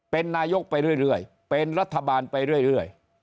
เป็นนายกไปเรื่อยเรื่อยเป็นรัฐบาลไปเรื่อยเรื่อย